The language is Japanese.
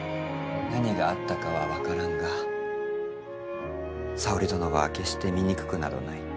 何があったかは分からんが沙織殿は決して醜くなどない。